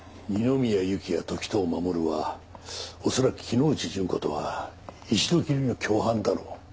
二宮ゆきや時任守は恐らく木之内順子とは一度きりの共犯だろう。